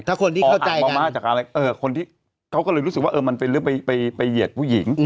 ถ้าคนที่เข้าใจกันหอมมาจากอะไรเออคนที่เขาก็เลยรู้สึกว่ามันไปเหยียดผู้หญิง